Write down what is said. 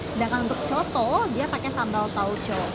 sedangkan untuk coto dia pakai sambal tauco